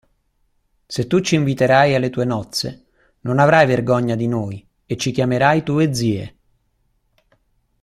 Se tu ci inviterai alle tue nozze, non avrai vergogna di noi e ci chiamerai tue zie.